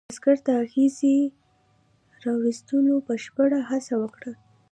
بزګر د اغزي را ویستلو بشپړه هڅه وکړه.